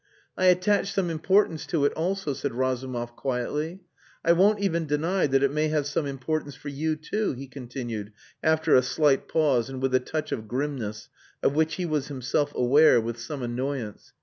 "I attach some importance to it also," said Razumov quietly. "I won't even deny that it may have some importance for you too," he continued, after a slight pause and with a touch of grimness of which he was himself aware, with some annoyance.